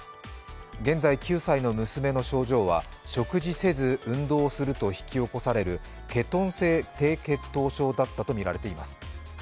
現在９歳の娘の症状は食事せず運動をすると引き起こされるケトン性低血糖症だったとみられています。